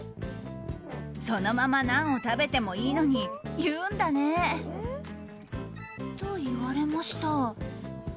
そのままナンを食べてもいいのに言うんだね。と、言われました。